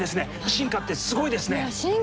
進化ってすごいですね！